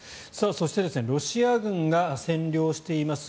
そしてロシア軍が占領しています